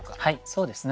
そうですね